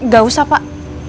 gak usah pak